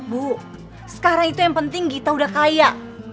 bu sekarang itu yang penting gita udah kaya